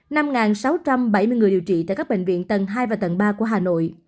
năm sáu trăm bảy mươi người điều trị tại các bệnh viện tầng hai và tầng ba của hà nội